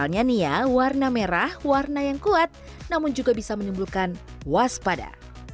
soalnya nih ya warna merah warna yang kuat namun juga bisa menimbulkan waspada